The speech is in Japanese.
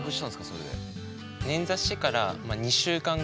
それで。